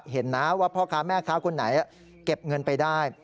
เห็นนะว่าพ่อค้าแม่ค้าคนไหนเก็บเงินไปได้